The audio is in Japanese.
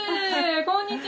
こんにちは。